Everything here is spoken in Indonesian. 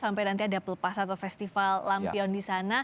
sampai nanti ada pelepas atau festival lampion di sana